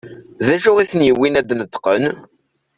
D acu i ten-yewwin ad d-neṭqen?